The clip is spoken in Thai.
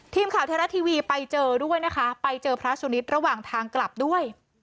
ทีมข่าวไทยรัฐทีวีไปเจอด้วยนะคะไปเจอพระสุนิทระหว่างทางกลับด้วย